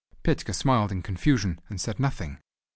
Petka smiled in confusion and said nothing.